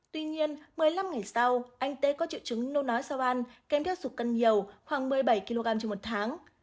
tuy nhiên một mươi năm ngày sau anh tê có triệu chứng nôn nói sau ăn kém theo sụt cân nhiều khoảng một mươi bảy kg trong một tháng